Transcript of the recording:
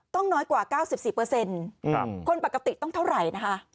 น้อยกว่า๙๔คนปกติต้องเท่าไหร่นะคะ